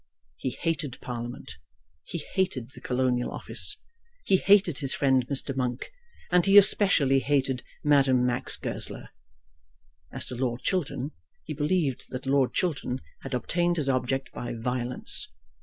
He hated Parliament. He hated the Colonial Office. He hated his friend Mr. Monk; and he especially hated Madame Max Goesler. As to Lord Chiltern, he believed that Lord Chiltern had obtained his object by violence.